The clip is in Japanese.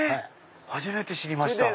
初めて知りました。